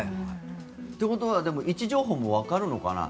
ということは位置情報もわかるのかな。